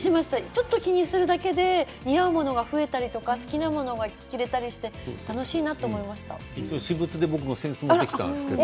ちょっと気にするだけで似合うものが増えたり好きなものが着られたりして私物の扇子を持ってきたんですけど。